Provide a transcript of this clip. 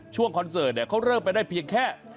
ช่วงคอนเซิร์ตเนี่ยเขาเริ่มไปได้เพียงแค่